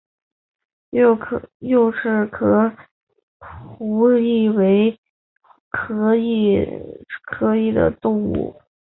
幼赫壳蛞蝓为壳蛞蝓科赫壳蛞蝓属的动物。